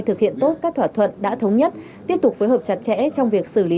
thực hiện tốt các thỏa thuận đã thống nhất tiếp tục phối hợp chặt chẽ trong việc xử lý